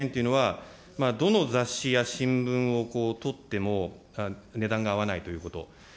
それから年間２万４０００円というのは、どの雑誌や新聞を取っても、値段が合わないということ。